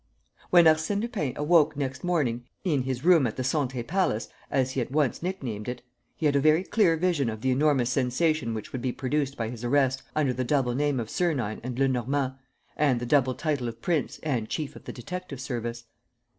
When Arsène Lupin awoke next morning, in his room at the "Santé Palace," as he at once nicknamed it, he had a very clear vision of the enormous sensation which would be produced by his arrest under the double name of Sernine and Lenormand and the double title of prince and chief of the detective service.